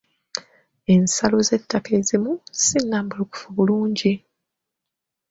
Ensalo z'ettaka ezimu si nnambulukufu bulungi.